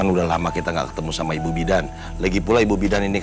buah tutup mulut